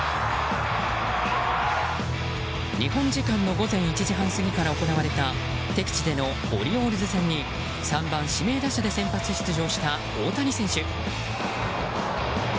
日本時間の午前１時半過ぎから行われた、敵地でのオリオールズ戦に３番指名打者で先発出場した大谷選手。